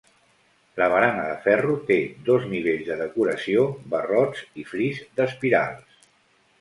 La barana de ferro té dos nivells de decoració, barrots i fris d'espirals.